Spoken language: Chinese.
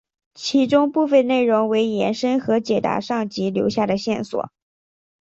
其中部分内容为延伸和解答上集留下的线索。